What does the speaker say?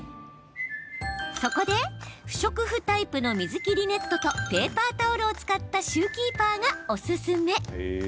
そこで、不織布タイプの水切りネットとペーパータオルを使ったシューキーパーがおすすめ。